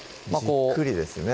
じっくりですね